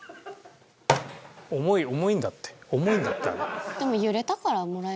重い重いんだって重いんだってあれ。